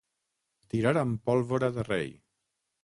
Tirar amb pólvora de rei.